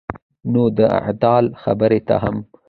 نو د اعتدال خبرې ته هم